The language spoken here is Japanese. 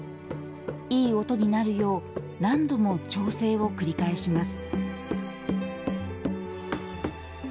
いい音になるよう何度も調整を繰り返します。